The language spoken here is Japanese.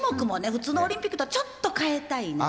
普通のオリンピックとちょっと変えたいねん。